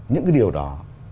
những cái điều đó